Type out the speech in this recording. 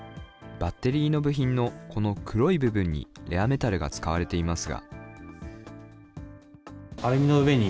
バッテリーの部品のこの黒い部分にレアメタルが使われていますが。